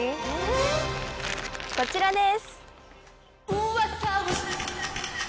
こちらです。